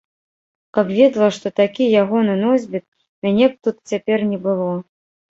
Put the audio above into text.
Каб ведала, што такі ягоны носьбіт, мяне б тут цяпер не было.